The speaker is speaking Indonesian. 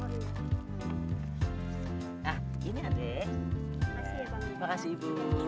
terima kasih ibu